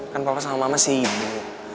kan papa sama mama sibuk